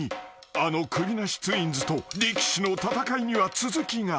あのクビナシツインズと力士の戦いには続きが］